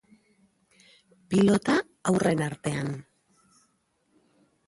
Pilota, haurren artean.